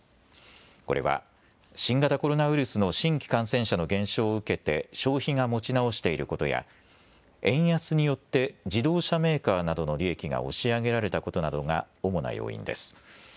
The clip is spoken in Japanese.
これは新型コロナウイルスの新規感染者の減少を受けて消費が持ち直していることや円安によって自動車メーカーなどの利益が押し上げられたことなどが主な要因です。